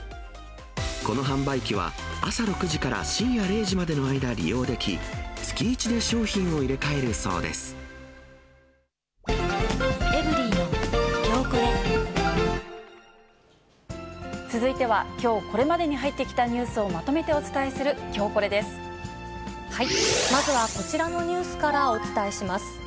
この販売機は、朝６時から深夜０時までの間、利用でき、続いては、きょうこれまでに入ってきたニュースをまとめてお伝えするきょうまずは、こちらのニュースからお伝えします。